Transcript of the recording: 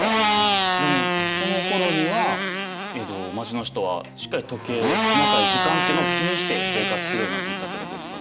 でもこのころにはえっと街の人はしっかり時計細かい時間っていうのを気にして生活するようになっていったっていうことですかね。